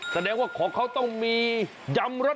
แสดงว่าของเขาต้องมียำรส